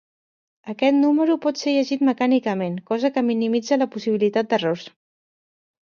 Aquest número pot ser llegit mecànicament, cosa que minimitza la possibilitat d'errors.